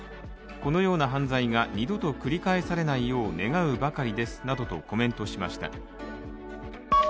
このような犯罪が２度と繰り返されないよう願うばかりですなどとコメントしました。